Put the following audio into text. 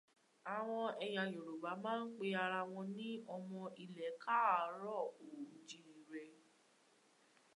Àwọn ẹ̀yà Yorùbá máa ń pé ara wọn ní ọmọ ilẹ̀ káàárọ̀-ò-jíire.